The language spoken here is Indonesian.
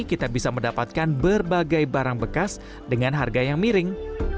kita bisa mendapatkan berbagai barang bekas dengan harga yang miring